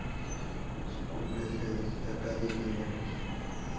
Su cumbre se destaca desde lejos.